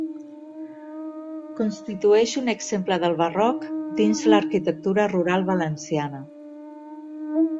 Constitueix un exemple del barroc dins l'arquitectura rural valenciana.